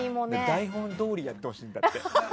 台本どおりやってほしいんだって。